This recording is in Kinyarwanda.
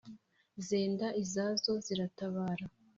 zenda izazo ziratabara